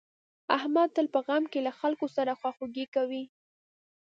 احمد تل په غم کې له خلکو سره خواخوږي کوي.